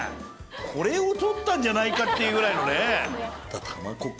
これを撮ったんじゃないかっていうぐらいのね。